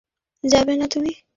পরিবারের বিরুদ্ধে যাবে না তুমি।